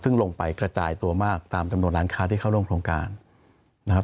ซึ่งลงไปกระจายตัวมากตามจำนวนร้านค้าที่เข้าร่วมโครงการนะครับ